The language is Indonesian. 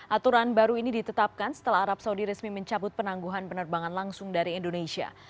aturan baru ini ditetapkan setelah arab saudi resmi mencabut penangguhan penerbangan langsung dari indonesia